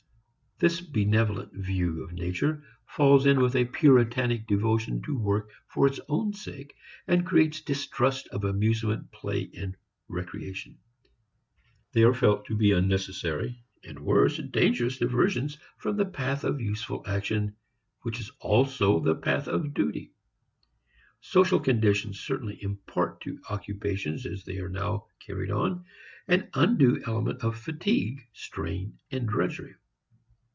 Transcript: This benevolent view of nature falls in with a Puritanic devotion to work for its own sake and creates distrust of amusement, play and recreation. They are felt to be unnecessary, and worse, dangerous diversions from the path of useful action which is also the path of duty. Social conditions certainly impart to occupations as they are now carried on an undue element of fatigue, strain and drudgery.